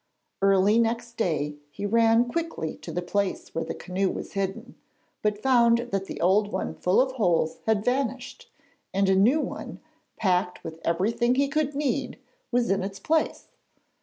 Early next day he ran quickly to the place where the canoe was hidden, but found that the old one full of holes had vanished, and a new one, packed with everything he could need, was in its place.